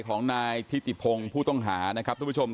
ก็ได้รู้สึกว่ามันกลายเป้าหมายและมันกลายเป้าหมาย